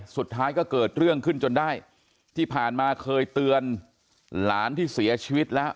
สุดท้ายก็เกิดเรื่องขึ้นจนได้ที่ผ่านมาเคยเตือนหลานที่เสียชีวิตแล้ว